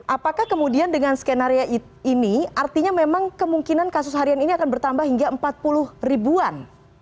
apakah kemudian dengan skenario ini artinya memang kemungkinan kasus harian ini akan bertambah hingga empat puluh ribuan